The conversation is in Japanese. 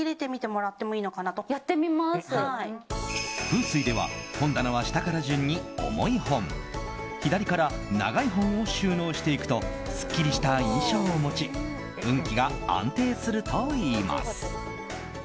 風水では本棚は下から順に重い本左から長い本を収納していくとすっきりした印象を持ち運気が安定するといいます。